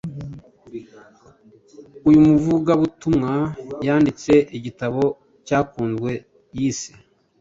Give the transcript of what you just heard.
Uyu muvugabutumwa yanditse igitabo cyakunzwe yise ‘